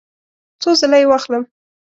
څو ځله یی واخلم؟